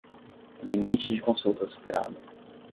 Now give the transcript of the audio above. Limite de consultas superado.